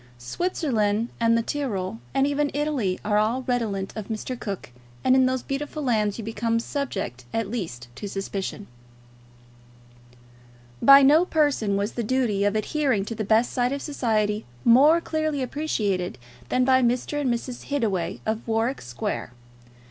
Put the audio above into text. Switzerland and the Tyrol, and even Italy, are all redolent of Mr. Cook, and in those beautiful lands you become subject at least to suspicion. By no persons was the duty of adhering to the best side of society more clearly appreciated than by Mr. and Mrs. Hittaway of Warwick Square.